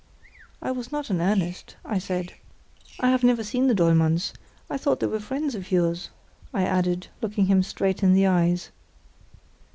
"I was not in earnest," I said. "I have never seen the Dollmanns; I thought they were friends of yours," I added, looking him straight in the eyes.